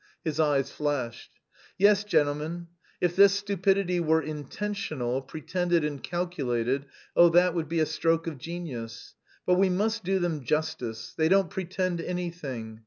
(His eyes flashed.) "Yes, gentlemen, if this stupidity were intentional, pretended and calculated, oh, that would be a stroke of genius! But we must do them justice: they don't pretend anything.